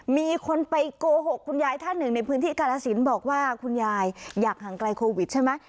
มีคนไปโกหกคุณยายท่านหนึ่งในพื้นที่กาลสินบอกว่าคุณยายอยากห่างไกลโควิดใช่ไหม